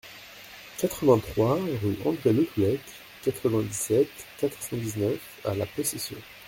quatre-vingt-trois rue André Letoullec, quatre-vingt-dix-sept, quatre cent dix-neuf à La Possession